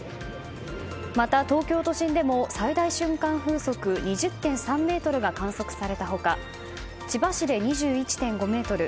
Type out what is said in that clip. また東京都心でも最大瞬間風速２０．３メートルが観測された他千葉市で２１．５メートル